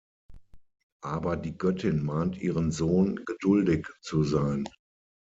Aber die Göttin mahnt ihren Sohn, geduldig zu sein.